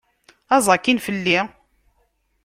Aẓ akkin fell-i!